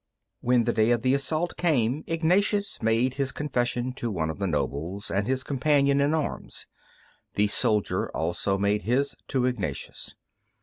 When the day of assault came, Ignatius made his confession to one of the nobles, his companion in arms. The soldier also made his to Ignatius.